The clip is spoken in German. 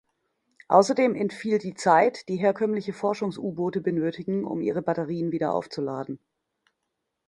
Außerdem entfiel die Zeit, die herkömmliche Forschungs-U-Boote benötigen, um ihre Batterien wieder aufzuladen.